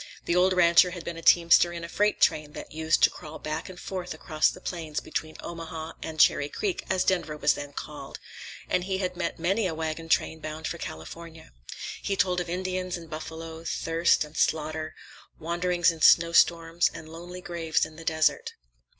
The old rancher had been a teamster in a freight train that used to crawl back and forth across the plains between Omaha and Cherry Creek, as Denver was then called, and he had met many a wagon train bound for California. He told of Indians and buffalo, thirst and slaughter, wanderings in snowstorms, and lonely graves in the desert.